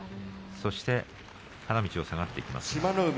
そして花道を下がっていきます。